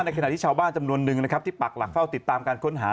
ขณะที่ชาวบ้านจำนวนนึงนะครับที่ปักหลักเฝ้าติดตามการค้นหา